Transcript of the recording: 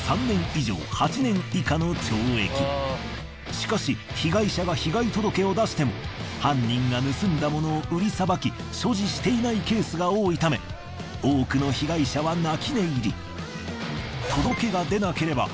しかし被害者が被害届を出しても犯人が盗んだものを売りさばき所持していないケースが多いため多くの被害者は泣き寝入り。